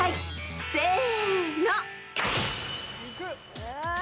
［せの］